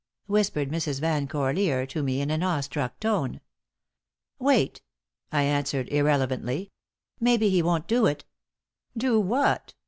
whispered Mrs. Van Corlear to me in an awe struck tone. "Wait," I answered, irrelevantly; "maybe he won't do it." "Do what?"